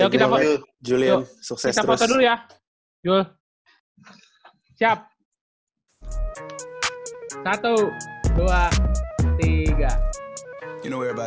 kita foto dulu ya